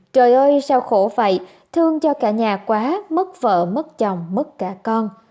trời ơi sau khổ vậy thương cho cả nhà quá mất vợ mất chồng mất cả con